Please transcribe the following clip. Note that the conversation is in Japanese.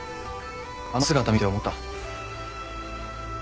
あの姿見て思った。